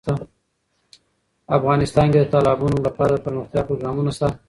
افغانستان کې د تالابونو لپاره دپرمختیا پروګرامونه شته.